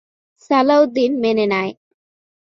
সালাহউদ্দিন মেনে নেয়।